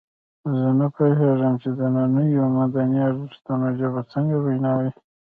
زه نه پوهېږم چې د نننیو مدني ارزښتونو ژبه څنګه وینا وي.